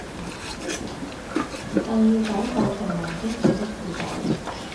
更要走向循環經濟的時代